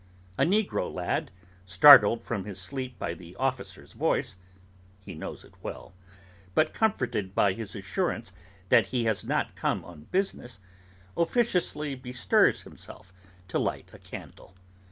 A negro lad, startled from his sleep by the officer's voice—he knows it well—but comforted by his assurance that he has not come on business, officiously bestirs himself to light a candle.